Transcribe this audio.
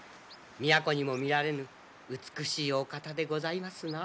都にも見られぬ美しいお方でございますなあ。